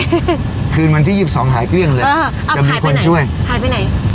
ครึ่งเมื่อกีดวันที่ยืบสองหายเครี่ยงเลยจะมีคนช่วยหายไปไหน